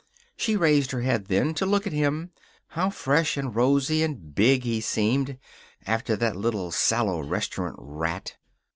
She raised her head then, to look at him. How fresh and rosy and big he seemed, after that little sallow restaurant rat.